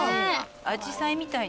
アジサイみたいね。